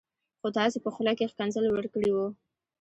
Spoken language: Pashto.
خو تاسي په خوله کي ښکنځل ورکړي و